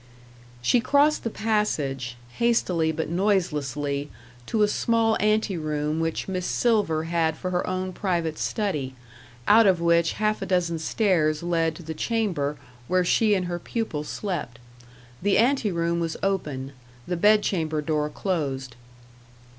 She crossed the passage, hastily but noiselessly, to a small ante room which Miss Silver had for her own private study out of which half a dozen stairs led to the chamber where she and her pupil slept. The ante room was open, the bed chamber door closed.